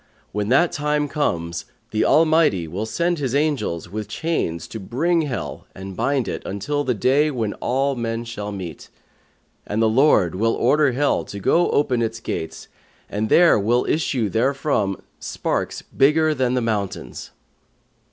When that time comes, the Almighty will send His angels with chains to bring Hell and bind it until the Day when all men shall meet; and the Lord will order Hell to go open its gates and there will issue therefrom sparks bigger than the mountains.'